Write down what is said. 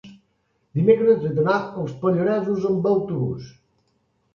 dimecres he d'anar als Pallaresos amb autobús.